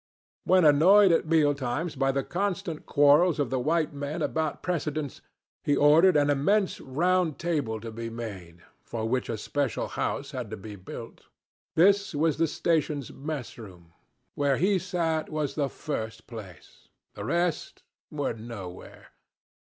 When annoyed at meal times by the constant quarrels of the white men about precedence, he ordered an immense round table to be made, for which a special house had to be built. This was the station's mess room. Where he sat was the first place the rest were nowhere.